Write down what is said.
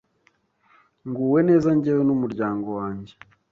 nguwe neza njyewe n’umuryango wanjye